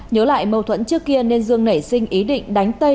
nhớ lại mâu thuẫn trước kia nên dương nảy sinh ý định đánh tây